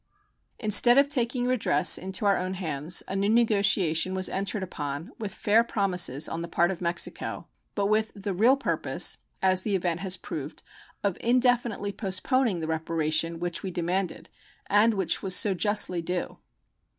Instead of taking redress into our own hands, a new negotiation was entered upon with fair promises on the part of Mexico, but with the real purpose, as the event has proved, of indefinitely postponing the reparation which we demanded, and which was so justly due.